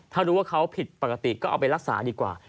ถ้ารู้ว่าเขาผิดปกติก็เอาไปรักษาดีกว่า